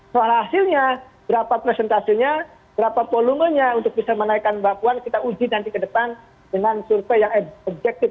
soal hasilnya berapa presentasinya berapa volumenya untuk bisa menaikkan mbak puan kita uji nanti ke depan dengan survei yang objektif